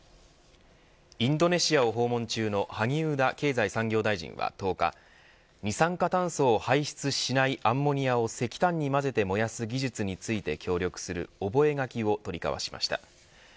インドネシアを訪問中の萩生田経済産業大臣は１０日、二酸化炭素を排出しないアンモニアを石炭に混ぜて燃やす技術について協力する覚書を取り交わしました。